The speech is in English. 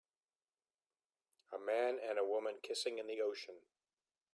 a man and a woman kissing in the ocean